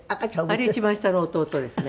あれ一番下の弟ですね。